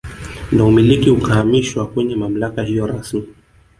Na umiliki ukahamishiwa kwenye mamlaka hiyo rasmi